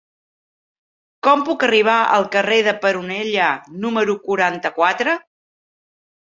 Com puc arribar al carrer de Peronella número quaranta-quatre?